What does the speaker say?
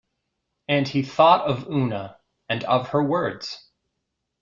And he thought of Oona, and of her words.